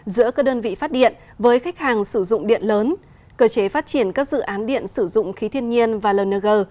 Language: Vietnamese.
giữa các đơn vị phát điện với khách hàng sử dụng điện lớn cơ chế phát triển các dự án điện sử dụng khí thiên nhiên và lng